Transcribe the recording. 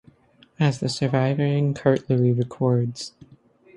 As the surviving cartulary records.